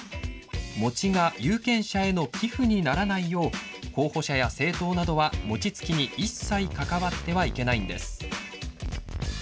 餅が有権者への寄付にならないよう候補者や政党などは餅つきに一切、関わってはいけないんです。